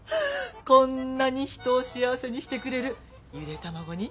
こんなに人を幸せにしてくれるゆで卵に。